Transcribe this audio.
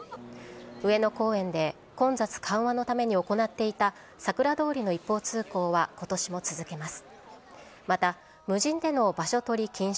上野公園で混雑緩和のために行っていたさくら通りの一方通行はことしも続けます。